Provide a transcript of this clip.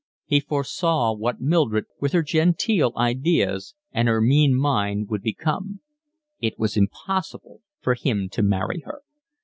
He foresaw what Mildred, with her genteel ideas and her mean mind, would become: it was impossible for him to marry her.